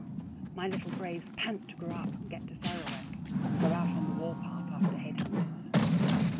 My little braves pant to grow up and get to Sarawak, and go out on the war path after head hunters.